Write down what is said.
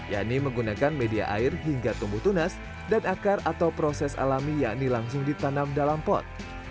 yakni menggunakan media air hingga tumbuh tunas dan akar atau proses alami yakni langsung ditanam dalam pot